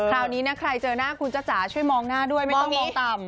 คราวนี้นะใครเจอหน้าคุณจ๊ะจ๋าช่วยมองหน้าด้วยไม่ต้องมองต่ำ